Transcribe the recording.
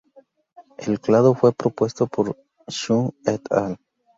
El clado fue propuesto por Xu "et al.